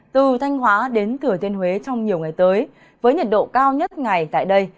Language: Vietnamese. từ thanh hóa đến thừa thiên huế trong nhiều ngày tới với nhiệt độ cao nhất ngày tại đây